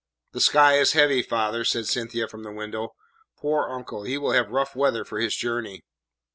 "The sky is heavy, father," said Cynthia from the window. "Poor uncle! He will have rough weather for his journey."